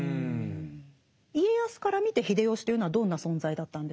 家康から見て秀吉というのはどんな存在だったんでしょうか？